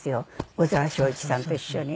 小沢昭一さんと一緒に。